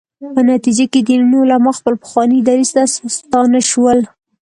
په نتیجه کې دیني علما خپل پخواني دریځ ته ستانه شول.